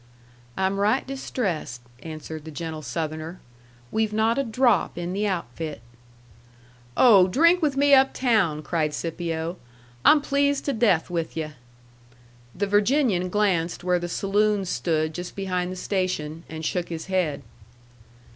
"I'm right distressed," answered the gentle Southerner, "we've not a drop in the outfit." "Oh, drink with me uptown!" cried Scipio. "I'm pleased to death with yu'." The Virginian glanced where the saloons stood just behind the station, and shook his head.